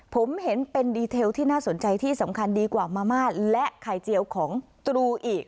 ผมเห็นเป็นดีเทลที่น่าสนใจที่สำคัญดีกว่ามาม่าและไข่เจียวของตรูอีก